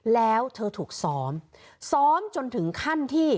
แล้วเธอถูกซ้อมซ้อมจนถึงขั้นที่